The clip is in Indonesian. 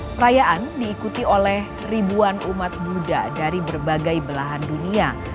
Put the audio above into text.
perayaan diikuti oleh ribuan umat buddha dari berbagai belahan dunia